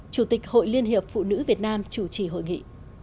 chủ tịch hội liên hiệp phụ nữ việt nam chủ trì hội nghị